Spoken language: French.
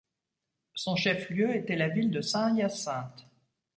Son chef-lieu était la ville de Saint-Hyacinthe.